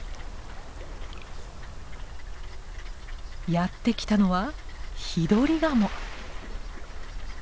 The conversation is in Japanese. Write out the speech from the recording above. やって来たのはヒドリガモ。